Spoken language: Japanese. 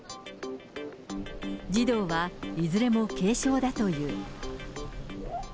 児童はいずれも軽症だという。